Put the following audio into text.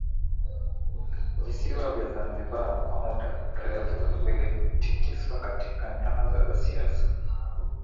visiwa vya Zanzibar kwa muda mrefu vilitikiswa katika nyanza za siasa